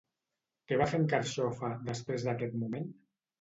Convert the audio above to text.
Què va fer en Carxofa, després d'aquest moment?